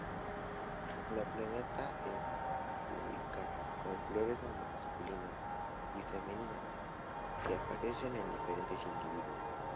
La planta es dioica, con flores masculinas y femeninas que aparecen en diferentes individuos.